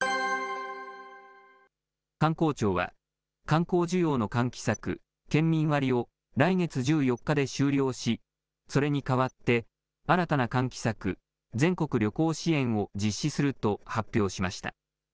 観光庁は、観光需要の喚起策、県民割を来月１４日で終了し、それに代わって新たな喚起策、全国旅行支援を実施すると発表しました。